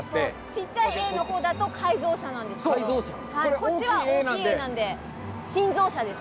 ちっちゃいＡの方だと改造車なんですけどこっちは大きいＡなんで新造車です。